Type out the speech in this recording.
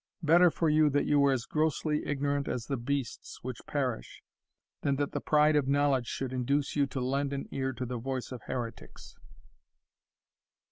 Better for you that you were as grossly ignorant as the beasts which perish, that that the pride of knowledge should induce you to lend an ear to the voice of heretics."